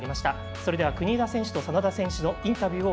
それでは国枝選手と、眞田選手のインタビューです。